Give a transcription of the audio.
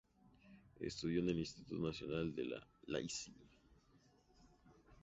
Estudió en el Instituto Nacional de Iaşi.